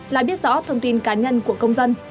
lại biết rõ thông tin cá nhân của công dân